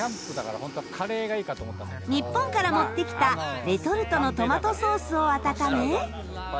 日本から持ってきたレトルトのトマトソースを温め。